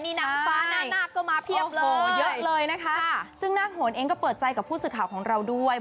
นี่นางฟ้าหน้านาคก็มาเพียบเลยเยอะเลยนะคะซึ่งหน้าโหนเองก็เปิดใจกับผู้สื่อข่าวของเราด้วย